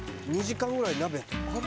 ２時間ぐらい鍋あっ